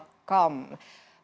belva meraih gelar sarjana